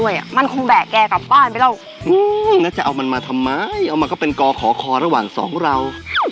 ยังจะเอามันมาทำไมเอามันก็เป็นขอขอระหว่างสองเรา